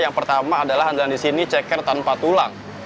yang pertama adalah andalan di sini ceker tanpa tulang